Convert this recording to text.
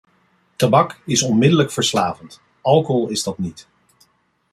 Tabak is onmiddellijk verslavend, alcohol is dat niet.